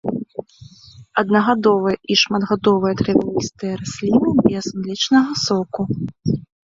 Аднагадовыя і шматгадовыя травяністыя расліны без млечнага соку.